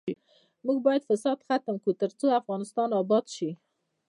موږ باید فساد ختم کړو ، ترڅو افغانستان اباد شي.